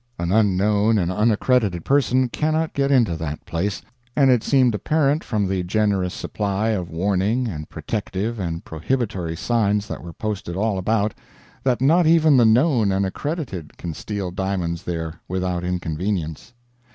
An unknown and unaccredited person cannot get into that place; and it seemed apparent from the generous supply of warning and protective and prohibitory signs that were posted all about, that not even the known and accredited can steal diamonds there without inconvenience.